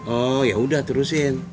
oh ya udah terusin